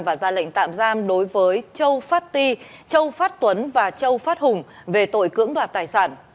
và ra lệnh tạm giam đối với châu phát ti châu phát tuấn và châu phát hùng về tội cưỡng đoạt tài sản